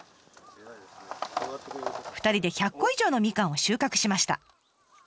２人で１００個以上のみかんを収穫しました。